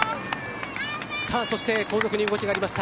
そして後続に動きがありました。